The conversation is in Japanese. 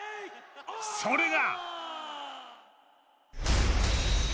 それが。